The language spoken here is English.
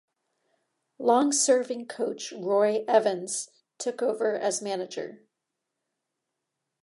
Long-serving coach Roy Evans took over as manager.